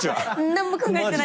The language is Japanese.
何も考えてないときの。